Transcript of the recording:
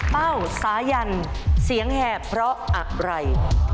เป้าสายันเสียงแหบเพราะอะไร